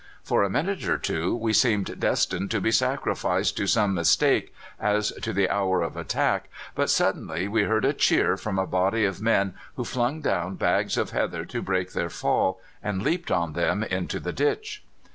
"For a minute or two we seemed destined to be sacrificed to some mistake as to the hour of attack, but suddenly we heard a cheer from a body of men who flung down bags of heather to break their fall, and leaped on them into the ditch.